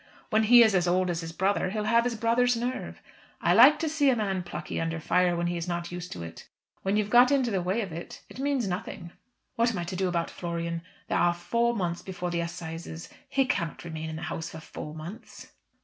When he is as old as his brother he'll have his brother's nerve. I like to see a man plucky under fire when he is not used to it. When you've got into the way of it, it means nothing." "What am I do about Florian? There are four months before the assizes. He cannot remain in the house for four months."